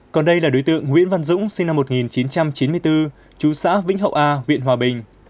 còn đây là đối tượng nguyễn văn dũng sinh năm một nghìn chín trăm chín mươi bốn chú xã vĩnh hậu a huyện hòa bình